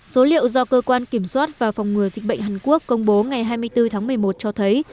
số liệu do cơ quan kiểm soát và phòng ngừa dịch bệnh hàn quốc công bố ngày hai mươi bốn tháng một mươi một cho thấy